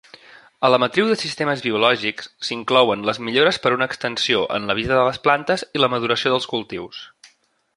A la matriu de sistemes biològics s"inclouen les millores per a una extensió en la vida de les plantes i la maduració dels cultius.